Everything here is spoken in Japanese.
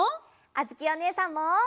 あづきおねえさんも！